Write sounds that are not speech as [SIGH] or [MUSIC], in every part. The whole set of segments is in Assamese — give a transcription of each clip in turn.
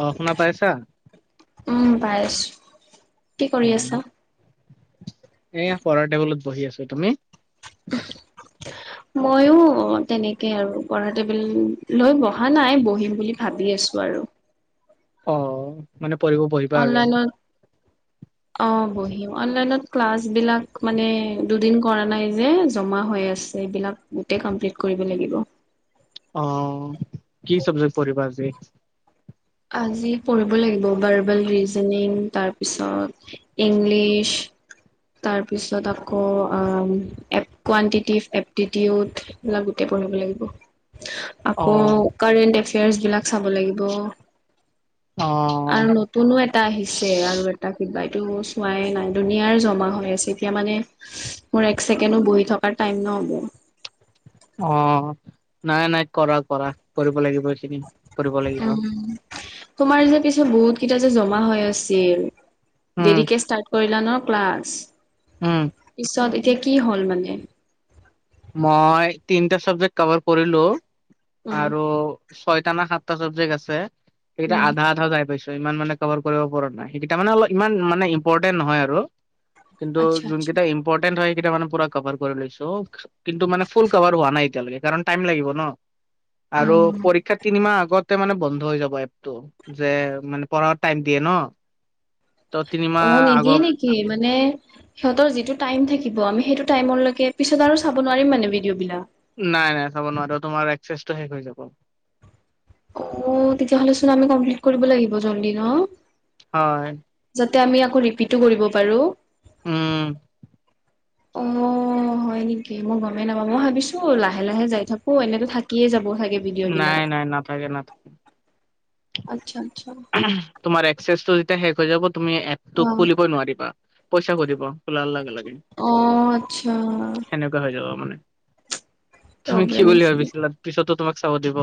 অ, শুনা পাইছা! উম, বাই কি অ কৰি আছা? এয়া, পঢ়াৰ টেবুলত বহি আছো, তুমি? ময়ো তেনেকে আৰু, পঢ়া টেবুল লৈ বহা নাই, বহিম বুলি ভাবি আছো আৰু। অঁ। মানে পঢ়িব প অনলাইনত [INAUDIBLE] অ, বহিম, অনলাইনত ক্লাছ বিলাক মানে দুদিন কৰা নাই যে, জমা হৈ আছে। এইবিলাক গোটেই কমপ্লিট কৰিব লাগিব। অ, কি চাব্জেক্ট পঢ়িবা আজি? আজি পঢ়িব লাগিব, বাৰ্বেল ৰিজনিং, তাৰ পিছত ইংলিছ তাৰপিছত আকৌ এ কোৱানটিটিভ, এপ্টিটিউড। সেইবিলাক গোটেই পঢ়িব লাগিব। [INAUDIBLE] আকৌ কাৰেণ্ট এফেয়াৰ্চবিলাক চাব লাগিব। অ আৰু নতুনো এটা আহিছে, আৰু এটা কিবা এইটো চোৱাই নাই, ডোনীয়াৰ জমা হৈ আছে, এতিয়া মানে মোৰ এক ছেকেনো বহি থকাৰ টাইম নহ'ব। অঁ নাই নাই কৰা কৰা কৰিব লাগিব এইকেদিন। উম' তোমাৰ যে পিছত বহুত কেইটা যে জমা হৈ আছিল- উম দেৰিকে ষ্টাৰ্ট কৰিলা ন ক্লাছ উম পিছত, এতিয়া কি হ'ল মানে- মই তিনিটা চাবজেক্ট কভাৰ কৰিলো উম, আৰু- ছয়টা না সাতটা চাবজেক্ট আছে সেইকেইটা উম, আধা আধা যাই পাইছো। ত ইমান মানে কভাৰ কৰিব পৰা নাই সেইকেইটা মানে অলপ ইমান মানে ইম্পৰ্টেন্ট নহয় আৰু। কিন্তু, আচ্ছা আচ্ছা। যোনকেইটা ইম্পৰ্টেন্ট হয় সেইকেইটা মানে পুৰা কভাৰ কৰি লৈছো। কিন্তু মানে ফুল কভাৰ হোৱা নাই এতিয়ালৈকে কাৰণ টাইম লাগিব ন। আৰু পৰীক্ষা তিনিমাহ আগত- তে মানে বন্ধ হৈ যাব এপটো, যে মানে পঢ়াও টাইম দিয়ে ন। ত তিনিমাহ অহ আগৰ নিদিয়ে নেকি মানে- সিহঁতৰ যিটো টাইম থাকিব আমি সেইটো টাইমলৈকে পিছত আৰু চাব নোৱাৰিম মানে ভিডিঅ'বিলা- নাই নাই চাব নোৱাৰো, তোমাৰ একেছটো শেষ হৈ যাব। অও তেতিয়াহ'লে চোন আমি কমপ্লিট কৰিব লাগিব জলদি ন। হয়। যাতে আমি আকৌ ৰিপিটো কৰিব পাৰোঁ। উম' অঁ' অঁ হয় নেকি, মই গমেই নাপাং মই ভাবিছো লাহে লাহে যাই থাকো এনেতো থাকিয়ে যাব চাগে- ভিডিঅ' নাই বিলাক। নাই নাথাকে নাথাক- আৎচ্ছা আৎচ্ছা। তোমাৰ এক্সেছটো যেতিয়া শেষ হৈ যাব তুমি এপ অ টো খুলিবই নোৱাৰিবা, পইচা খুজিব। খুলাৰ লগে লগে। অ আচ্ছা সেনেক- কা হৈ যাব মানে। তুমি কি প্ৰব্লেম বুলি আছে। ভাবিছিলা? পিছতো তোমাক চাব দিব।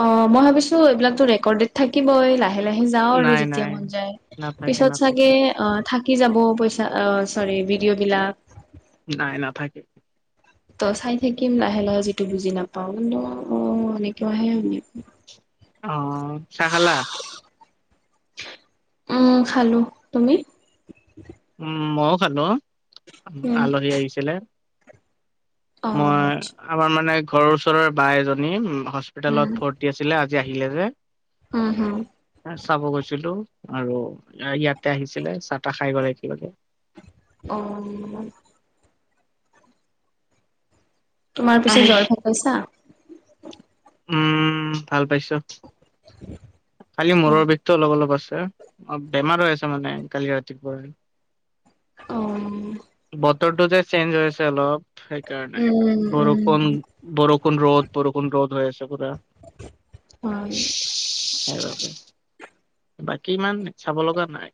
অঁ মই ভাবিছো, এইবিলাকো ৰেকৰ্ডড থাকিবই লা- লাহে লাহে যাওঁ আৰু নাই যেতিয়া নাই মন যায়, নাথাকে পিছত নাথাকে চাগে অ থাকি যাব পই- চা অ' চৰি ভিডিঅ' বিলাক। নাই নাথাকে। ত' চাই থাকিম লাহে লাহে যিটো বুজি নাপাওঁ ন এনেকেও আহে বুলি। অঁ' চাহ খালা? উম' খালো, তুমি? উম' মইও খালো, উম আলহী আহিছিলে। অ মই আচ্ছা আমাৰ মানে ঘৰৰ ওচৰৰ বা এজনী উম হস্পিতেলত ভৰ্ত- তি আছিলে আজি আহিলে যে। উম হুম' চাব গৈছিলো আৰু ইয়াতে আহিছিলে চাহ তাহ খাই গ'লে কিবাকে। অঁ উম'। তোমাৰ পিছে জ্বৰ ভাল পাইছা? উম' ভাল পাইছোঁ খালি অ মূৰৰ বিষটো অলপ অলপ আছে। অ' বেমাৰ হৈ আছে মানে কালি ৰাতিপুৱাৰ- অঁ' বতৰটো যে চেঞ্জ হৈছে অলপ সেইকাৰণে উম উম বৰষুণ- বৰষুণ ৰ'দ বৰষুণ ৰ'দ হৈ আছে পুৰা। হয় সেইবাবে। বাকী ইমান চাব লগা নাই।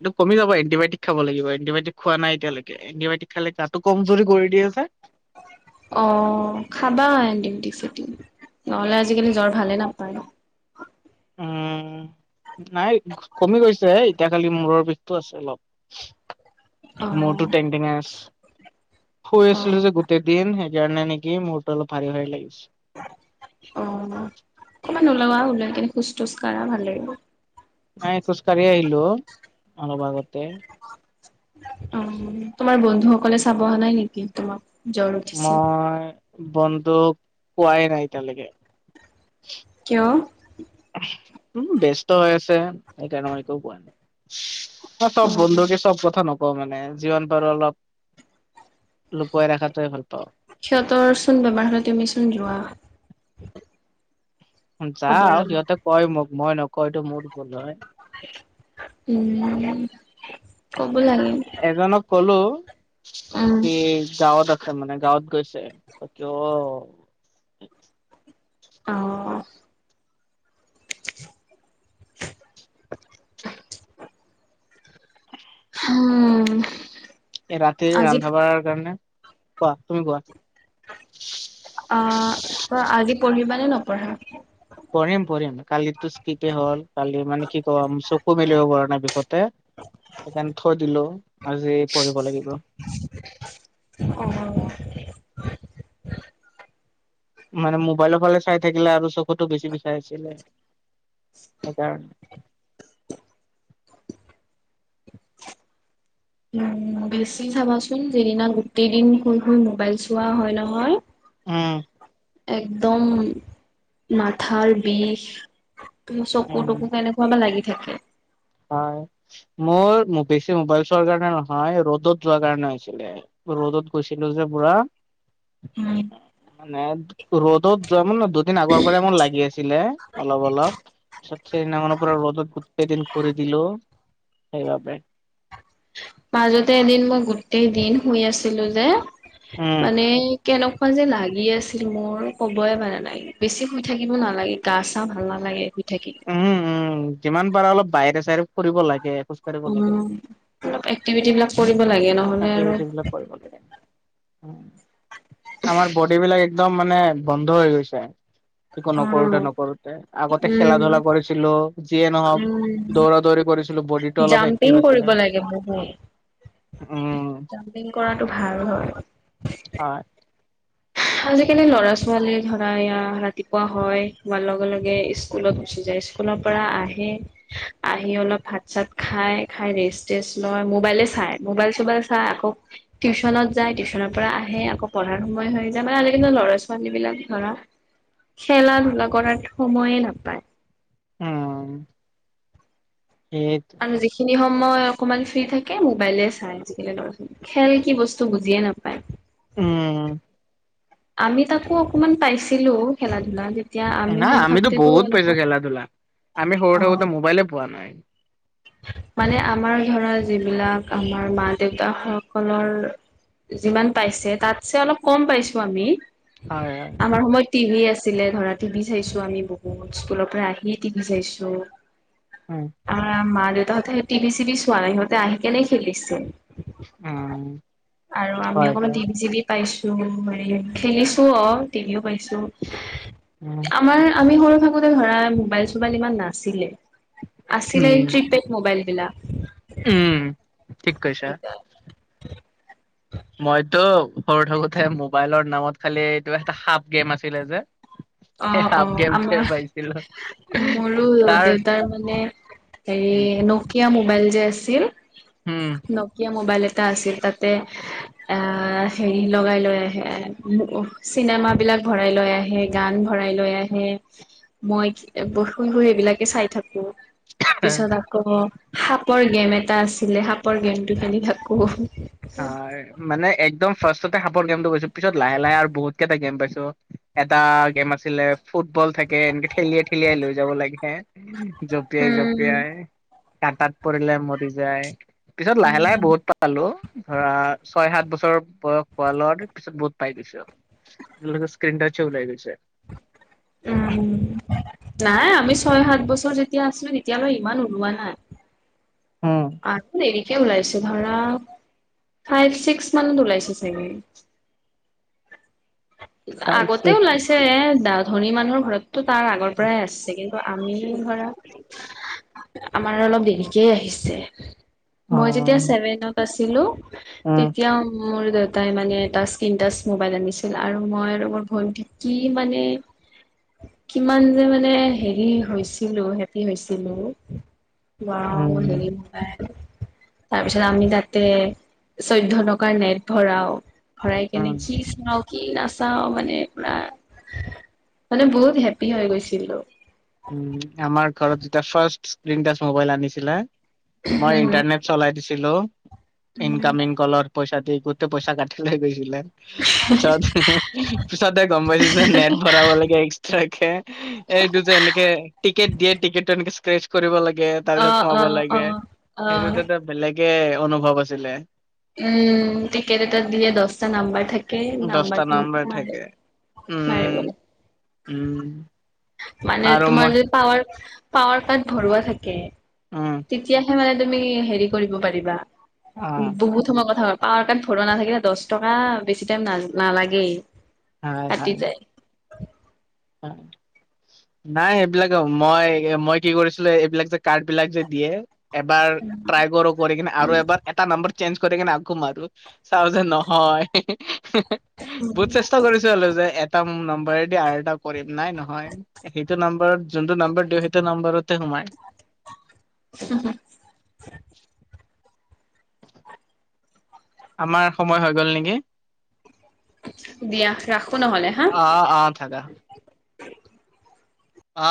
এইটো কমি যাব এণ্টিবায়টিক খাব লাগিব এণ্টিবায়টিক খোৱা নাই এতিয়া লৈকে এণ্টিবায়টিক খালে গাটো কম জুৰি কৰি দিয়ে যে অ খাবা এণ্টিবায়টিক চেন্টি নহলে আজিকালি জ্বৰ ভালে নাপায় ন উম নাই কমি গৈছে এতিয়া খালি মূৰৰ বিষটো আছে অলপ মোৰতো টেং টেঙাই আছে শুই অ আছিলোঁ যে গো গোটেই দিন সেইকাৰণে নেকি মোৰটো অলপ ভাৰী ভাৰী লাগিছে অ অকমান ওলোৱা ওলাই কিনে খোজ তোজ কাঢ়া ভাল লাগিব নাই খোজ কাঢ়িয়েই আহিলোঁ অ অলপ আগতে অ তোমাৰ বন্ধুসকলে চাব অহা নাই নেকি তোমাক জ্বৰ উঠিছে মই বন্ধুক কোৱাই নাই এতিয়ালৈকে কিয় উম ব্যস্ত হৈ আছে সেইকাৰণে মই একো কোৱা নাই সব অ বন্ধুকে সব কথা ন নকওঁ মানে জীৱন পাৰোঁ অলপ লুকুৱাই ৰখাতোৱে ভাল পাওঁ সিহঁতৰ চোন বেমাৰ হ'লে তুমি চোন যোৱা খবৰ যাওঁ ল'ব সিহঁতে কয় মোক মই নকও এইটো মোৰ ভূল হয় উম ক'ব লাগে এজনক ক'লো উম সি গাঁৱত আছে মানে গাঁৱত গৈছে তাকে অ অ হুম এৰাতি ৰন্ধা বঢ়াৰ কাৰণে কোৱা তুমি কোৱা অ আজি পঢ়িবানে নপঢ়া পঢ়িম পঢ়িম কালিতো স্কিপ এ হ'ল কালি মানে কি কম চকু মেলিব পৰা নাই বিষতে সেইকাৰণে থৈ দিলো আজি পঢ়িব লাগিব অ মানে মোবাইলৰ ফালে চাই থাকিলে আৰু চকুতো বেছি বিষাই ছিলে সেইকাৰণে উম বেছি চাবাচোন যিদিনা গোটেই দিন শুই শুই মোবাইল চোৱা হয় নহয় উম একদম মাথাৰ বিষ তুমি চকু উম টোকু কেনেক ক'বা লাগি থাকে হয় মোৰ বেছি মোবাইল চোৱাৰ কাৰণে নহয় ৰ'দত যোৱা কাৰণে হৈছিলে ৰ'দত গৈছিলোঁ যে পুৰা উম, মানে ৰ'দত যোৱামান দুদিন আগৰ পৰাই মোৰ লাগি আছিলে অলপ, অলপ [UNINTELLIGIBLE] সেইদিনাখনৰ পৰা ৰ'দত গোটেই দিন ঘূৰি দিলো সেইবাবে মাজতে এদিন মই গোটেইদিন শুই আছিলোঁ যে উম। মানে কেনেকুৱা যে লাগি আছিল মোৰ ক'বই পাৰা নাই! বেছি শুই থাকিব নালাগে! গা চা ভাল নালাগে শুই থাকি উম, উম যিমান পাৰা অলপ বাহিৰে চাহিৰে ফুৰিব লাগে! খোজ কাঢ়িব উম, লাগে। অলপ এক্টিভিটি বিলাক কৰিব লাগে ন এক্টিভিটি বিলাক কৰিব লাগে! অ' আমাৰ বডীবিলাক একদম মানে বন্ধ হৈ গৈছে! একো নকৰোঁতে অ', নকৰোঁতে, আগতে খেলা উম, ধূলা কৰিছিলোঁ, যিয়ে নহওক উম, দৌৰা দৌৰি কৰিছ বডীটো অলপ জাম্পিং এক্টিভ কৰিব আছিলে, লাগে বহুত। উম। জাম্পিং কৰাটো ভাল হয়। হয়। আজিকালি ল'ৰা ছোৱালী ধৰা, এইয়া ৰাতিপুৱা হয়, হোৱাৰ লগে, লগে ইচ কুলত গুচি যায়, স্কুলৰ পৰা আহে আহি অলপ ভাত চাত খায়, খাই ৰেষ্ট তেষ্ট লয়, মোবাইলেই চাই, মোবাইল চোবাইল চাই আকৌ টিউচনত যায়, টিউচনৰ পৰা আহে, আকৌ পঢ়াৰ সময় হৈ যেনেকা আজি কালি ল'ৰা ছোৱালীবিলাক ধৰা, খেলা ধূলা কৰাত সময়েই নাপায়। উম। সেই আৰু যিখিনি সময় অকমান ফ্ৰী থাকে, মোবাইলেই চাই আজিকালি লৰা ছোৱালী। খেল কি বস্তু বুজিয়েই নাপায়। উম। আমি তাকো অকমান পাইছিলোঁ, খেলা ধূলা যেতিয়া আমি না, সৰু আমিতো থাকোতেতো বহুত এনেকুৱা পাইছোঁ খেলা ধূলা, আমি সৰু অ থাকোতে মোবাইলেই পোৱা নাই। মানে আমাৰ ধৰা, যিবিলাক আমাৰ মা দেউতা সকলৰ যিমান পাইছে, তাতছে অলপ কম পাইছোঁ আমি, হয় হয় আমাৰ সময়ত টিভি আছিলে ধৰা, টিভি চাইছোঁ আমি বহুত, স্কুলৰ পৰা আহিয়েই টিভি চাইছোঁ। উম। আমাৰ মা দেউতাহঁতে টিভি চিভি চোৱা নাই, সিহঁতে আহি কেনে খেলিছে। উম আৰু আমি হয় অকমান হয় টিভি চিভি পাইছোঁ মানে খেলিছোঁ অ', টিভিও পাইছোঁ। উম। আমাৰ, আমি সৰু থাকোঁতে ধৰা মোবাইল চোবাইল ইমান নাছিলেই, আছিলে এই উম প্ৰি পেইড উম, ঠিক কৈছা। মইতো সৰু থাকোঁতে মোবাইলৰ নামত খালী, এইটো এটা সাপ গেম আছিলে যে। অ সেই অ সাপ গেমটোহে আমাৰ পাইছিলোঁ। মোৰো দেউতাৰ মানে হেৰি নকিয়া মোবাইল যে আছিল, উম নকিয়া মোবাইল এটা আছিল তাত। তে, আ হেৰি লগাই লৈ আহে, চিনেমাবিলাক ভৰাই লৈ আহে। গান ভৰাই লৈ আহে, মই শুই, শুই সেইবিলাকে চাই থাকোঁ। পিছত আকৌ, সাপৰ গেম এটা আছিলে, সাপৰ গেমটো খেলি থাকোঁ। হয়, মানে একদম ফাৰ্ষ্টতে সাপৰ গেমটো পাইছোঁ, পিছত লাহে, লাহে আৰু বহুত কেইটা গেম পাইছোঁ। এটা গেম আছিলে ফুটবল থাকে, এনেকে ঠেলিয়াই ঠেলিয়াই লৈ যাব লাগে, জঁপিয়াই, উম জঁপিয়াই। কাটাত পৰিলে মৰি যায়, পিছত লাহে, লাহে উম বহুত পালোঁ। ধৰা, ছয় সাত বছৰ বয়স হোৱা লগত, পিছত বহুত পাই গৈছোঁ। [UNINTELLIGIBLE] স্ক্ৰীণ টাচ্চে ওলাই গৈছে। উম, নাই, আমি ছয় সাত বছৰ যেতিয়া আছিলোঁ, তেতিয়ালৈ ইমান ওলোৱা নাই। হম। [UNINTELLIGIBLE] দেৰিকে ওলাইছে, ধৰা ফাইভ ছিক্স মানত ওলাইছে চাগে। ফাইভ আগতে ছিক্স ওলাইছে, ধনী মানুহৰ ঘৰততো তাৰ আগৰ পৰাই আছে। ত' আমি ধৰা, আমাৰ অলপ দেৰিকেই আহিছে। অ মই যেতিয়া ছেভেনত পাছিলোঁ উম উম। তেতিয়া মোৰ দেউতাই মানে এটা স্কিন টাইচ মবাইল আনিছ [UNINTELLIGIBLE] আৰু মই আৰু মোৰ ভণ্টি কি মানে কিমান যে মানে হেৰি হৈছিলোঁ হেপী হৈছিলোঁ। ৱাও উম হেৰি তাৰপিছত আমি তাতে চৈধ্য টকাৰ নেট ভৰাও। ভৰাই কেনে কি চুনাও। কি নাচাও মানে পোৰা, মানে বহুত হেপী হৈ গৈছিলোঁ। উম, আমাৰ ঘৰত যেতিয়া ফাৰ্ষ্টচ স্ক্ৰীন টাইছ ম'বাইল আনিছিলে, মই ইন্টাৰনেট চলাই দিছিলোঁ, ইনকামিং কলত পইচা দি গোটেই পইচা কাটি লৈ গৈছিলে। পিছত পিছতে গম পাইছোঁ যে নেট ভৰাব লাগে এক্স ট্ৰাকে এইটো যে এনেকে টি টিকেট দিয়ে টিকেটটো এনেকে স্ক্ৰেচ কৰিব লাগে, অ তাৰপিছত অ সোমাব অ লাগে, অ সেইটো [UNINTELLIGIBLE] বেলেগে অনুভৱ আছিলে। উম, টিকেট এটা দিয়ে দচটা নাম্বাৰ থাক দছটা নম্বৰ থাকে উম, মাৰিবলে উম। মানে আৰু তোমাৰ মই যদি পাৱাৰ পাৱাৰ কাট ভৰোৱা থাকে। উম। তেতিয়াহে মানে তুমি হেৰি কৰিব পাৰিবা, অ বহুত সময় কথা পাৱাৰ কাৰ্ড ভৰা নাথাকিলে দচ টকা বেছি টাইম নাজ নালাগে। হয় হয়। হয়। নাই এইবিলাক মই মই কি কৰিছিলোঁ এইবিলাক যে কাৰ্ড বিলাক যে দিয়ে। এবাৰ ট্ৰাই কৰো কৰি কিনে আৰু এবাৰ এটা নাম্বাৰ চেঞ্জ কৰি কিনে আকো মাৰো, চাও যে নহয়। বহুত চেষ্টা কৰিছো হ'লো যে এটা উম, নাম্বাৰে দে আৰু এটা কৰিম নাই নহয়, সেইটো নাম্বাৰত যোনটো নাম্বাৰ দিওঁ সেইটো নাম্বাৰতে সোমাই। [INAUDIBLE] আমাৰ সময় হৈ গ'ল নেকি? দিয়া ৰাখো নহ'লে হা অ', অ', থাকা। অ'।